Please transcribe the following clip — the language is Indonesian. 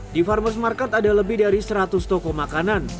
di farmer's market ada lebih dari seratus toko makanan